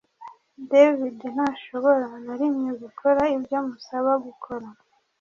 David ntashobora na rimwe gukora ibyo musaba gukora